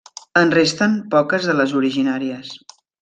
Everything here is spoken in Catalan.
En resten poques de les originàries.